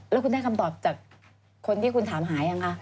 แล้วคุณได้คำตอบจากคนที่คุณถามหายังคะ